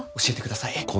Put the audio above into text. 教えてください。